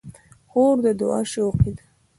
خور د دعا شوقي ده.